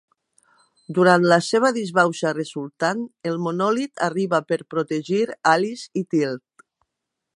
Durant la seva disbauxa resultant, el Monòlit arriba per protegir Alice i Tilt.